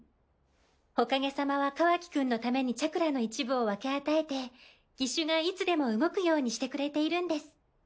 火影様はカワキくんのためにチャクラの一部を分け与えて義手がいつでも動くようにしてくれているんです。